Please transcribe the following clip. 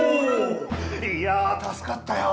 いやあ助かったよ！